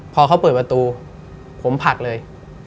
พอเขาเปิดประตูผมผลักเลย